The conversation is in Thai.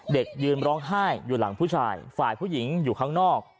เด็กยืนร้องไห้อยู่หลังผู้ชายฝ่ายผู้หญิงอยู่ข้างนอก